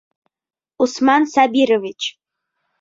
Усман Сабирович!..